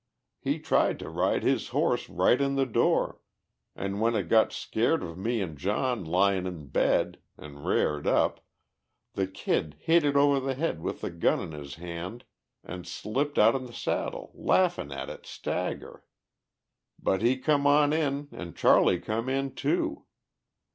He tried to ride his horse right in the door, an' when it got scared of me an' John lyin' in bed, an' rared up, the Kid hit it over the head with the gun in his hand, an' slipped out'n the saddle, laughin' at it stagger. "But he come on in an' Charley come in, too.